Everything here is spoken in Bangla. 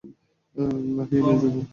ভাগিয়ে নিয়ে যাবো।